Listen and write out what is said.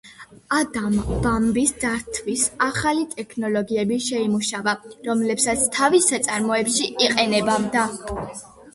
ადამ ბამბის დართვის ახალი ტექნოლოგიები შეიმუშავა, რომლებსაც თავის საწარმოებში იყენებდა.